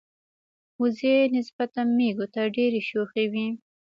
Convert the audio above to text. وزې نسبت مېږو ته ډیری شوخی وی.